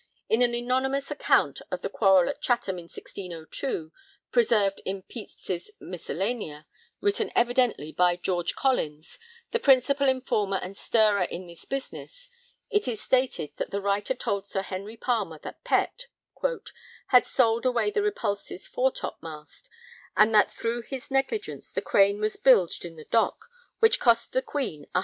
In an anonymous account of the quarrel at Chatham in 1602 preserved in Pepys' Miscellanea, written evidently by George Collins, 'the principal informer and stirrer in this business,' it is stated that the writer told Sir Henry Palmer that Pett had sold away the Repulse's foretopmast, and that through his negligence the Crane was bilged in the Dock, which cost the Queen 100_l.